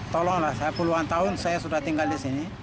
tolonglah saya puluhan tahun saya sudah tinggal di sini